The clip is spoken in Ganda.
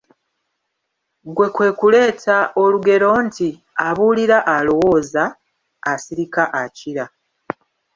Ggwe kwe kuleeta olugero nti: Abuulira alowooza, asirika akira.